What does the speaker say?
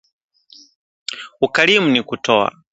Ukarimu ni kutoa